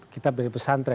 kitab dari pesantren